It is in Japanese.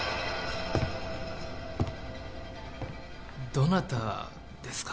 どなたですか？